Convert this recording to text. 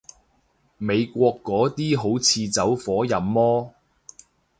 美國嗰啲好似走火入魔